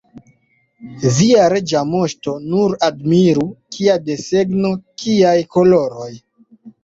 Via Reĝa Moŝto nur admiru, kia desegno, kiaj koloroj!